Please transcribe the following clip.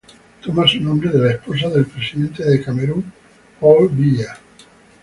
Toma su nombre de la esposa del presidente de Camerún, Paul Biya.